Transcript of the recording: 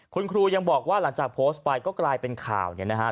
คุณครูยังบอกว่าหลังจากโพสต์ไปก็กลายเป็นข่าวเนี่ยนะฮะ